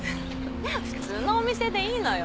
普通のお店でいいのよ。